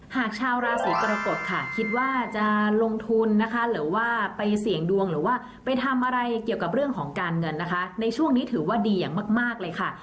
หากชาวราศีกรกฎค่ะคิดว่าจะลงทุนนะคะหรือว่าไปเสี่ยงดวงหรือว่าไปทำอะไรเกี่ยวกับเรื่องของการเงินนะคะในช่วงนี้ถือว่าดีอย่างมากเลยค่ะ